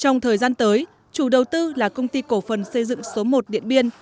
trong thời gian tới chủ đầu tư là công ty cổ phần xây dựng số một điện biên